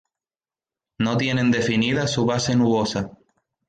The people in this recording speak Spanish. No tienen definida su base nubosa.